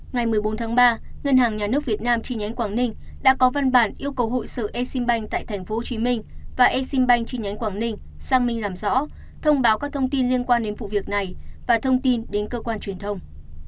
ngày một mươi bốn tháng ba ngân hàng nhà nước việt nam chi nhánh quảng ninh đã có văn bản yêu cầu hội sự exim bank tại tp hcm và exim bank chi nhánh quảng ninh sang minh làm rõ thông báo các thông tin liên quan đến vụ việc này và thông tin đến cơ quan truyền thông